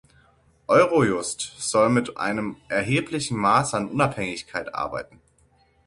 Eurojust soll mit einem erheblichen Maß an Unabhängigkeit arbeiten.